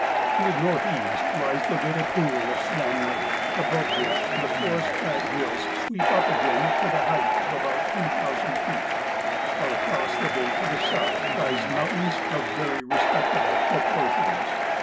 To the north east lies the little pool of Swan Lake, above which the forest clad hills sweep up again to the height of about two thousand feet, while across the bay to the south rise mountains of very respectable proportions.